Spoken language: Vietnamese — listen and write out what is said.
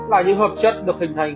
là những hợp chất được hình hành